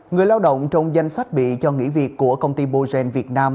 người lao động trong danh sách bị cho nghỉ việc của công ty bogen việt nam